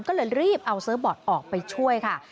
ก็เลยรีบเอาเซิร์ฟบอร์ดออกไปช่วยค่ะ